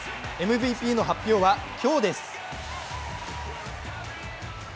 ＭＶＰの発表は今日です。